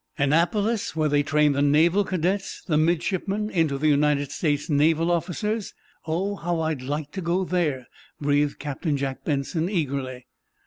"Annapolis—where they train the naval cadets, the midshipmen, into United States Naval officers? Oh, how I'd like to go there!" breathed Captain Jack Benson, eagerly.